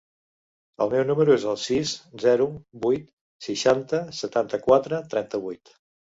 El meu número es el sis, zero, vuit, seixanta, setanta-quatre, trenta-vuit.